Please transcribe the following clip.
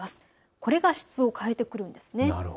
これが質を変えてくるんです。